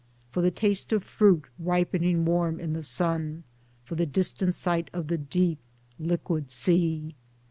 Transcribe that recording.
For the taste of fruit ripening warm in the sun, for the distant sight of the deep liquid sea